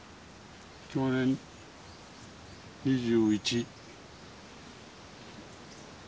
享年２１。